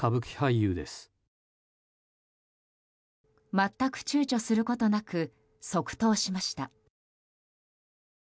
全く躊躇することなく即答しました。